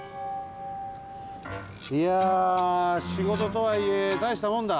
いやしごととはいえたいしたもんだ。